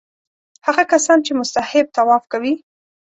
هغه کسان چې مستحب طواف کوي.